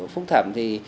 phúc thẩm thì